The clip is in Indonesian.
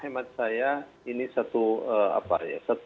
hemat saya ini satu apa ya